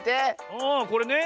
ああこれね。